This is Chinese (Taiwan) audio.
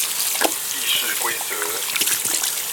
議事規則